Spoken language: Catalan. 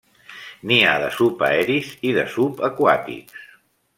N'hi ha de subaeris i de subaquàtics.